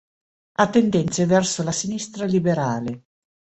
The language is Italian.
Ha tendenze verso la sinistra liberale.